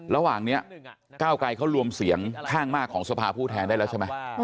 ระหว่างนี้ก้าวไกลเขารวมเสียงข้างมากของสภาผู้แทนได้แล้วใช่ไหม